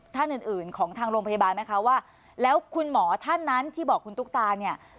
ท่านอื่นอื่นของทางโรงพยาบาลไหมคะว่าแล้วคุณหมอท่านนั้นที่บอกคุณตุ๊กตาเนี่ย